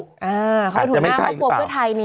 อ่าเขาเป็นหัวหน้าควบครัวไทยนี่